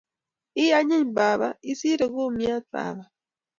Ii anyiny baba isire kumyat baba.